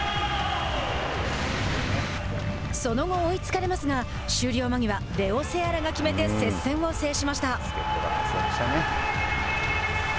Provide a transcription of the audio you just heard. その後追いつかれますが終了間際レオ・セアラが決めて接戦を制しました。